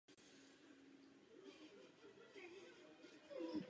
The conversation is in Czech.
Linka spojuje Paříž a Letiště Orly.